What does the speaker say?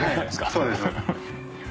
そうです。